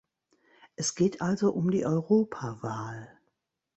Es geht also um die Europawahl.